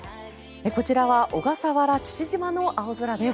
こちらは小笠原・父島の青空です。